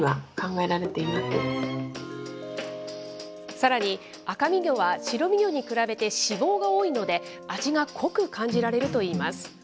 さらに、赤身魚は白身魚に比べて脂肪が多いので、味が濃く感じられるといいます。